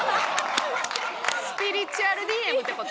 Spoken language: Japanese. スピリチュアルＤＭって事？